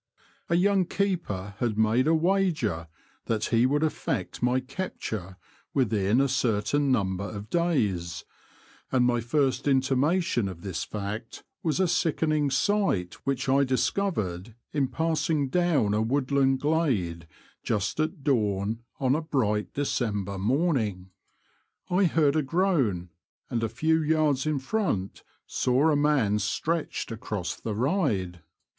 A young keeper had made a wager that he would effect my capture within a certain num ber of days, and my first intimation of this fact was a sickening sight which I discovered in passing down a woodland glade just at dawn on a bright December morning. I heard a groan, and a few yards in front saw a man stretched across the ride.